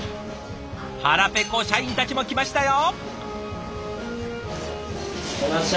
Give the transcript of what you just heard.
腹ペコ社員たちも来ましたよ！